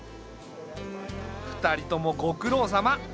２人ともご苦労さま。